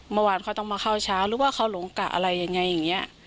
เมื่อวานเขาต้องมาเข้าเช้าหรือว่าเขาหลงกะอะไรยังไงอย่างนี้